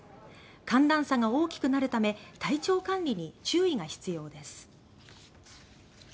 寒暖差が大きくなるため体調管理に注意が必要です。